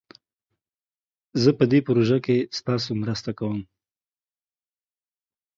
زه په دي پروژه کښي ستاسو مرسته کووم